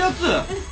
うん。